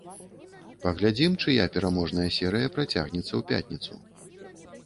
Паглядзім, чыя пераможная серыя працягнецца ў пятніцу.